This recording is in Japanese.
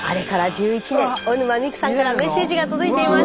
小沼美来さんからメッセージが届いています。